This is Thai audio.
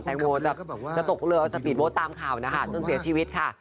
แตงโมจะตกเรือสปีดโบ๊ทตามข่าวนะคะจนเสียชีวิตค่ะ